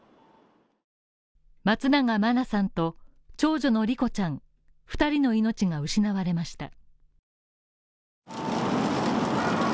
松永真菜さんと、長女の莉子ちゃん２人の命が失われました。